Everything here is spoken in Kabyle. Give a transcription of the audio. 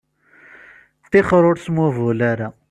Ṭixer ur smuhbul ara.